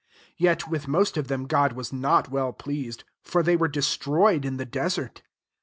5 Yet with most of them, God was not well pleased : for they were destroyed in the desert.